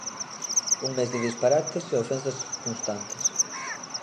Un mes de disparates e ofensas constantes.